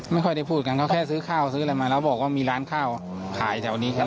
ไม่ค่อยได้พูดกันเขาแค่ซื้อข้าวซื้ออะไรมาแล้วบอกว่ามีร้านข้าวขายแถวนี้ครับ